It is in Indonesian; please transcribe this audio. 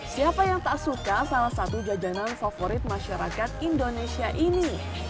siapa yang tak suka salah satu jajanan favorit masyarakat indonesia ini